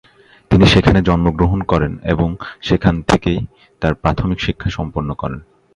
তিনি সেখানে জন্মগ্রহণ করেন এবং সেখানে থেকেই তার প্রাথমিক শিক্ষা সম্পন্ন করেন।